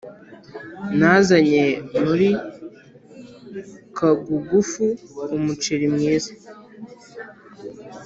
Nazanye muri kagugufu umuceri mwiza